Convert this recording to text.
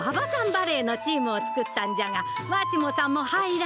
バレーのチームを作ったんじゃがわしもさんも入らんか？